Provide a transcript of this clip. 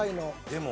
でも。